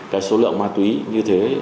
cái số lượng ma túy như thế